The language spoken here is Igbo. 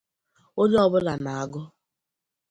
onye ọbụla na-agụ